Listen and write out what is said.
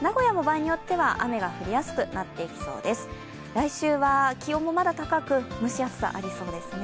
来週は気温もまだ高く蒸し暑さありそうですね。